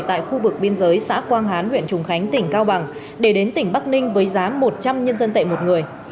tại khu vực biên giới xã quang hán huyện trùng khánh tỉnh cao bằng để đến tỉnh bắc ninh với giá một trăm linh nhân dân tệ một người